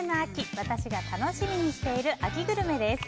私が楽しみにしている秋グルメです。